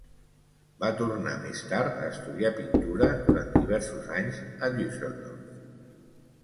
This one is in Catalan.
Va tornar més tard a estudia pintura durant diversos anys a Düsseldorf.